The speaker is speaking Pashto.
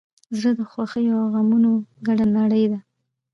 زړه د خوښیو او غمونو ګډه نړۍ ده.